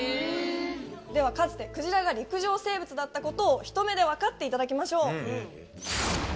ではかつてクジラが陸上生物だったことをひと目でわかっていただきましょう。